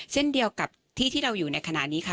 เช่นเดียวกับที่ที่เราอยู่ในขณะนี้ค่ะ